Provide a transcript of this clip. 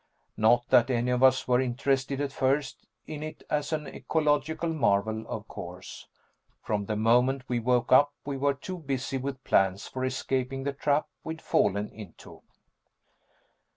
Not that any of us were interested at first in it as an ecological marvel, of course. From the moment we woke up we were too busy with plans for escaping the trap we'd fallen into.